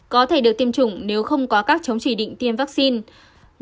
có thể được tiêm chủng nếu không có các chống chỉ định tiêm vaccine